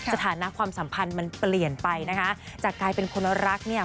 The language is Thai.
สถานะความสัมพันธ์มันเปลี่ยนไปนะคะจากกลายเป็นคนรักเนี่ย